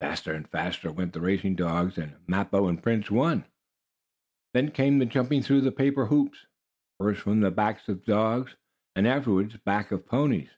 Faster and faster went the racing dogs, and Mappo and Prince won. Then came the jumping through the paper hoops, first from the backs of dogs, and, afterward backs of the ponies.